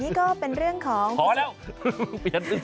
นี่ก็เป็นเรื่องของพอแล้ว